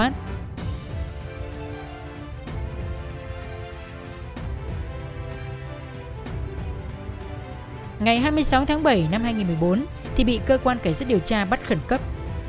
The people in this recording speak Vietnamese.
ngày hai mươi sáu tháng bảy năm hai nghìn một mươi bốn thì bị cơ quan cảnh sát điều tra bắt khẩn cấp